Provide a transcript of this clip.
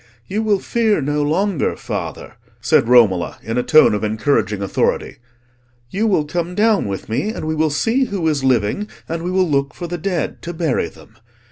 "You will fear no longer, father," said Romola, in a tone of encouraging authority; "you will come down with me, and we will see who is living, and we will look for the dead to bury them.